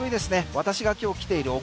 私が今日来ている奥